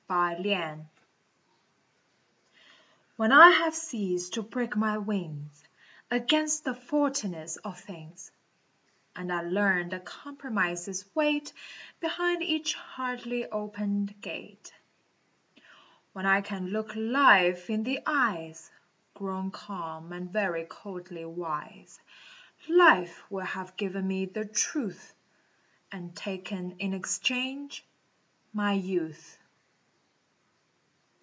IV. Wisdom When I have ceased to break my wings Against the faultiness of things, And learned that compromises wait Behind each hardly opened gate, When I can look Life in the eyes, Grown calm and very coldly wise, Life will have given me the Truth, And taken in exchange my youth.